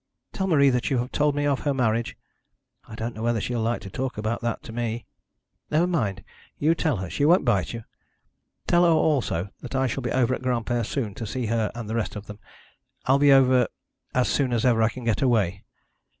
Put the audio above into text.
'Tell Marie that you have told me of her marriage.' 'I don't know whether she'll like to talk about that to me.' 'Never mind; you tell her. She won't bite you. Tell her also that I shall be over at Granpere soon to see her and the rest of them. I'll be over as soon as ever I can get away.'